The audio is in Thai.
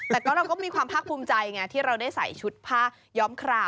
แต่ก็เราก็มีความภาคภูมิใจไงที่เราได้ใส่ชุดผ้าย้อมคราว